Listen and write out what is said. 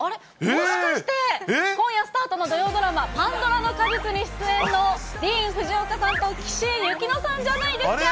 もしかして、今夜スタートの土曜ドラマ、パンドラの果実に出演の、ディーン・フジオカさんと岸井ゆきのさんじゃないですか。